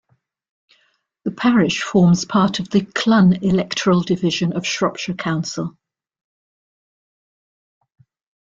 The parish forms part of the Clun electoral division of Shropshire Council.